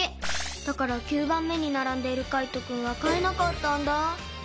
だから９ばんめにならんでいるカイトくんはかえなかったんだ。